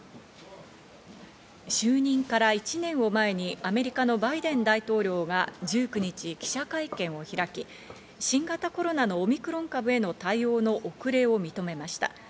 就任から１年を前にアメリカのバイデン大統領が１９日、記者会見を開き、新型コロナのオミクロン株への対応の遅れを認めました。